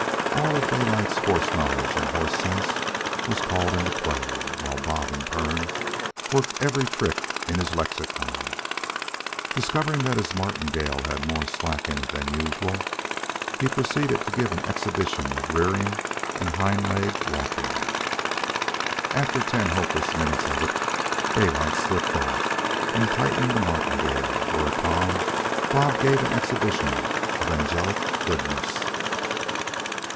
All of Daylight's horse knowledge and horse sense was called into play, while Bob, in turn, worked every trick in his lexicon. Discovering that his martingale had more slack in it than usual, he proceeded to give an exhibition of rearing and hind leg walking. After ten hopeless minutes of it, Daylight slipped off and tightened the martingale, whereupon Bob gave an exhibition of angelic goodness.